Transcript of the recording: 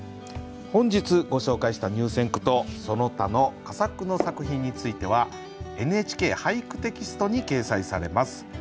本日ご紹介した入選句とその他の佳作の作品については「ＮＨＫ俳句」テキストに掲載されます。